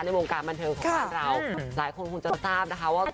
ในวงการบันเทิงของบ้านเราหลายคนคงจะทราบนะคะว่า